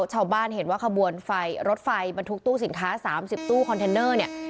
ชาวบ้านเห็นว่าขบวนไฟรถไฟบรรทุกตู้สินค้า๓๐ตู้คอนเทนเนอร์เนี่ย